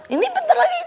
ini bentar lagi